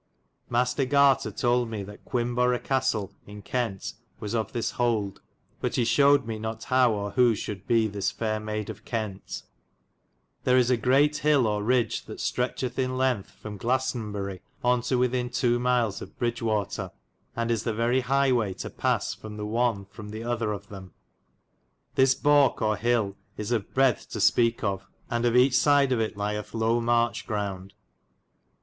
Mastar Gartar told me that Quinborow Castell in Kent was of this hold; but he shoid me not how, or who shuld be this faire Maide of Kent. * Lychett Matravers. ^ Conisbrough. PART IX 5 There is a grete hill, or rigge, that stretchcthe in lengthe from Glassenbyry on to within 2. miles of Bridgewatar, and is the very highe way to passe from the one from * the othar of them. This balke or hille is of breadthe to speke of, and of eche syde of it lyethe low marche ground.